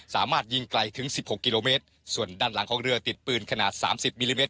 สามารถยิงไกลถึงสิบหกกิโลเมตรส่วนด้านหลังของเรือติดปืนขนาดสามสิบมิลลิเมต